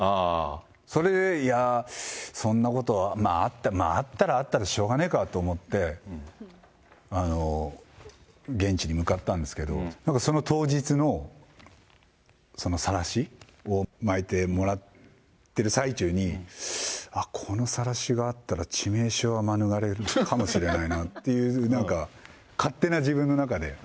それで、いやぁ、そんなことは、まあ、あったらあったでしょうがねえかと思って、現地に向かったんですけど、なんかその当日のさらしを巻いてもらってる最中に、あっ、このさらしがあったら致命傷は免れるかもしれないなっていう、なんか、勝手な自分の中で。